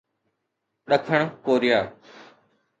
ڏکڻ ڪوريا